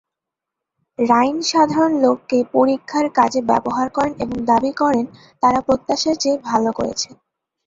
রাইন সাধারণ লোককে পরীক্ষার কাজে ব্যবহার করেন এবং দাবি করেন, তারা প্রত্যাশার চেয়ে ভাল করেছে।